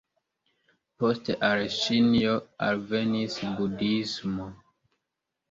Poste al Ĉinio alvenis budhismo.